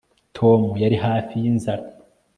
Tom yari hafi yinzara